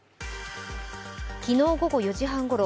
昨日午後４時半ごろ